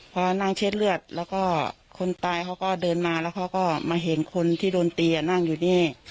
พอนั่งเช็ดเลือดแล้วก็คนตายเขาก็เดินมาแล้วเขาก็มาเห็นคนที่โดนตีนั่งอยู่นี่